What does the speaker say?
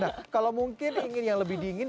nah kalau mungkin ingin yang lebih dingin